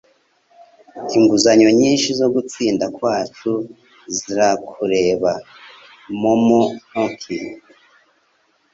Inguzanyo nyinshi zo gutsinda kwacu zirakureba. (momomonkey)